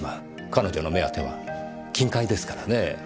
彼女の目当ては金塊ですからねぇ。